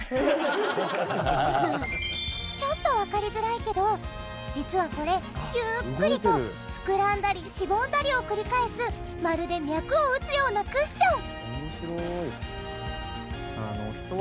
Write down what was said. ちょっとわかりづらいけど実はこれゆっくりと膨らんだりしぼんだりを繰り返すまるで脈を打つようなクッション。